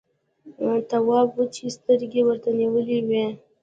تواب وچې سترګې ورته نيولې وې.